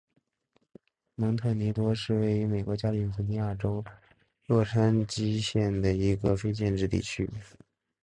蒙特尼多是位于美国加利福尼亚州洛杉矶县的一个非建制地区。